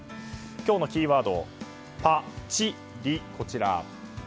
今日のキーワード、パチリ。